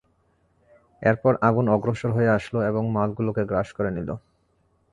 এরপর আগুন অগ্রসর হয়ে আসল এবং মালগুলোকে গ্রাস করে নিল।